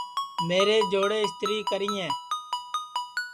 میرے چوڑے اِستری کریں